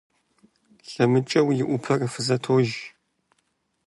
ЛъэмыкӀыу и Ӏупэр фӀызэтож.